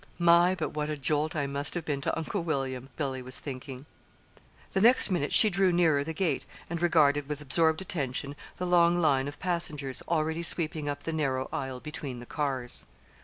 "My! but what a jolt I must have been to Uncle William!" Billy was thinking. The next minute she drew nearer the gate and regarded with absorbed attention the long line of passengers already sweeping up the narrow aisle between the cars.